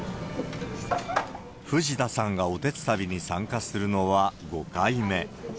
藤田さんがおてつたびに参加するのは５回目。